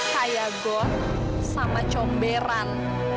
kayak goh sama comberan